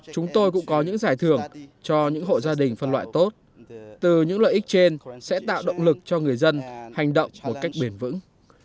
chúng tôi cũng có những giải thưởng cho những hộ gia đình phân loại tốt từ những lợi ích trên sẽ tạo động lực cho người dân hành động một cách bền vững